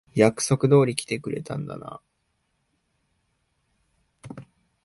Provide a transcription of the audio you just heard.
約束通り来てくれたんだな。